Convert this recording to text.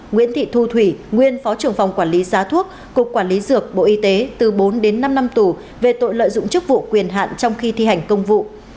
nguyễn thị thu thủy nguyên phó trưởng phòng quản lý giá thuốc cục quản lý dược bộ y tế từ bốn đến năm năm tù về tội lợi dụng chức vụ quyền hạn trong khi thi hành công vụ